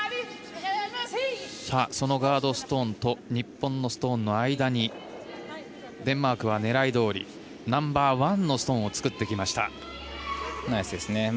ガードストーンと日本のストーンの間にデンマークは狙いどおりナンバーワンのストーンをナイスですね。